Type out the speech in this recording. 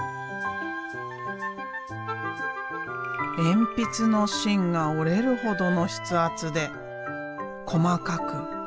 鉛筆の芯が折れるほどの筆圧で細かく美しく。